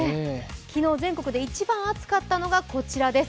昨日、全国で一番暑かったのがこちらです。